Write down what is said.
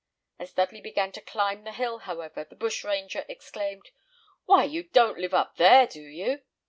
As Dudley began to climb the hill, however, the bushranger exclaimed, "Why, you don't live up there, do you?"